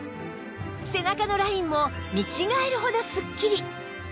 背中のラインも見違えるほどすっきり